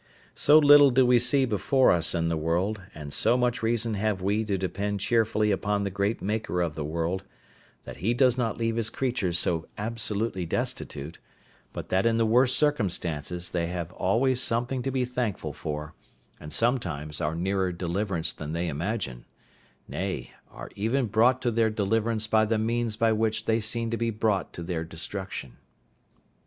So little do we see before us in the world, and so much reason have we to depend cheerfully upon the great Maker of the world, that He does not leave His creatures so absolutely destitute, but that in the worst circumstances they have always something to be thankful for, and sometimes are nearer deliverance than they imagine; nay, are even brought to their deliverance by the means by which they seem to be brought to their destruction.